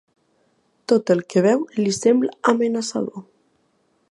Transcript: Tot el que veu li sembla amenaçador.